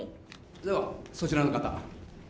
ではそちらの方。